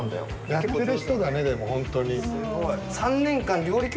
やってる人だねでも本当に。